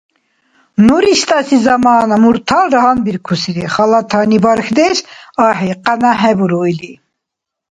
Ну риштӀаси замана мурталра гьанбиркусири халатани бархьдеш ахӀи къяна хӀебуру или.